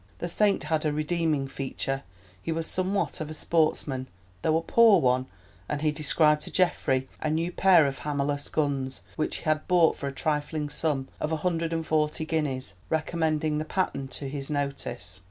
The Saint had a redeeming feature—he was somewhat of a sportsman, though a poor one, and he described to Geoffrey a new pair of hammerless guns, which he had bought for a trifling sum of a hundred and forty guineas, recommending the pattern to his notice.